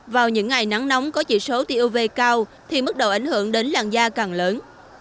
vào những ngày nắng nóng có chỉ số tiêu uv cao thì mức độ ảnh hưởng đến làn da càng lớn